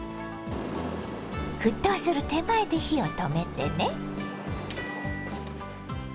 沸騰する手前で火を止めてね。